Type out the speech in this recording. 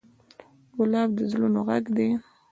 ګلاب د زړونو غږ دی.